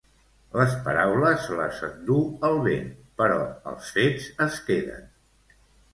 Les paraules se les endú el vent però els fets es queden